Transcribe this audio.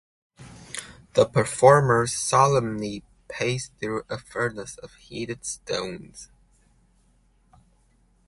The performers solemnly pace through a furnace of heated stones.